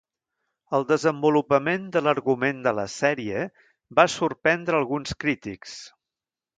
El desenvolupament de l'argument de la sèrie va sorprendre alguns crítics.